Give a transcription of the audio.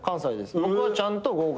僕はちゃんと合格して。